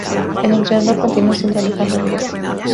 El entrenador continuó siendo Alejandro Grossi.